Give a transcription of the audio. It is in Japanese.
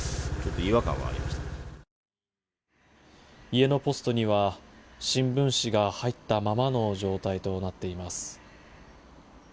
家のポストには新聞紙が入ったままの状態となっています。